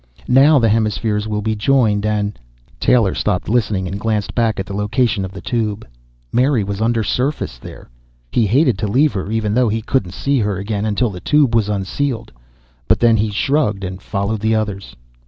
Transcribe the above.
Now the hemispheres will be joined and " Taylor stopped listening and glanced back at the location of the Tube. Mary was undersurface there. He hated to leave her, even though he couldn't see her again until the Tube was unsealed. But then he shrugged and followed the others.